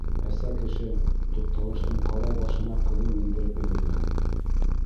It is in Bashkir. Әсә кеше туҡталыштың ҡалай башына ҡыҙын мендереп өлгөргән.